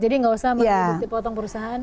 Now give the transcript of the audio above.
jadi nggak usah mbak nursanti dipotong perusahaan